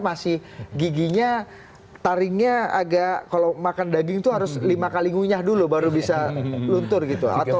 masih giginya taringnya agak kalau makan daging itu harus lima kali ngunyah dulu baru bisa luntur gitu atau